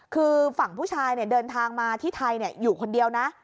คือฝั่งผู้ชายเดินทางมาที่ไทยอยู่คนเดียวนะ